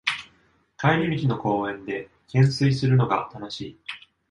帰り道の公園でけんすいするのが楽しい